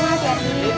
bu makasih ya